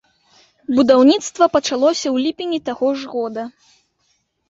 Будаўніцтва пачалося ў ліпені таго ж года.